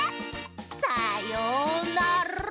さようなら！